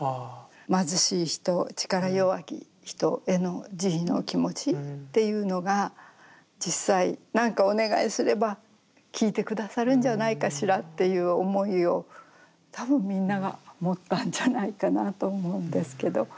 貧しい人力弱き人への慈悲の気持ちっていうのが実際なんかお願いすれば聞いて下さるんじゃないかしらっていう思いを多分みんなが持ったんじゃないかなと思うんですけど。